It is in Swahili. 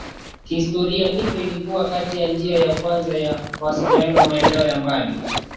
Kihistoria mito ilikuwa kati ya njia ya kwanza ya mawasiliano maeneo ya mbali